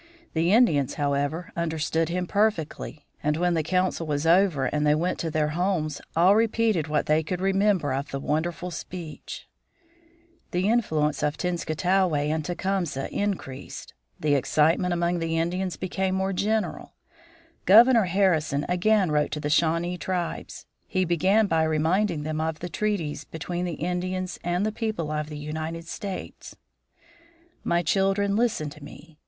The Indians, however, understood him perfectly, and when the council was over and they went to their homes all repeated what they could remember of the wonderful speech. The influence of Tenskwatawa and Tecumseh increased. The excitement among the Indians became more general. Governor Harrison again wrote to the Shawnee tribes. He began by reminding them of the treaties between the Indians and the people of the United States: "My children, listen to me.